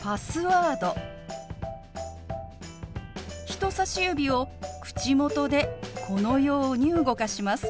人さし指を口元でこのように動かします。